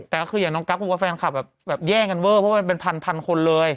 แต่ก็คืออย่างน้องกั๊กบอกว่าแฟนคลับแบบแย่งกันเวอร์เพราะมันเป็นพันคนเลย